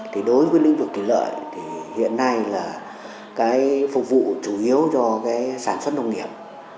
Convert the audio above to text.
thì đối với lĩnh vực thủy lợi thì hiện nay là cái phục vụ chủ yếu cho cái sản xuất nông nghiệp